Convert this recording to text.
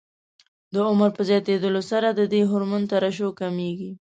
د عمر په زیاتېدلو سره د دې هورمون ترشح کمېږي.